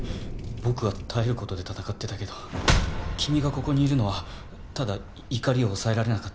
僕は耐える事で闘ってたけど君がここにいるのはただ怒りを抑えられなかっただけで。